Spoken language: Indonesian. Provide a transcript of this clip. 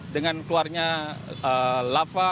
dengan keluarnya lava